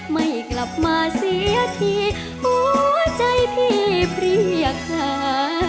ไม่กลับมาเสียทีหัวใจพี่เรียบขา